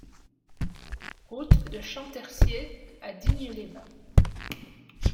Route de Champtercier à Digne-les-Bains